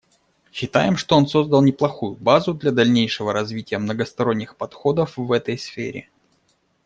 Считаем, что он создал неплохую базу для дальнейшего развития многосторонних подходов в этой сфере.